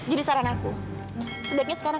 jadi saran aku sebaiknya sekarang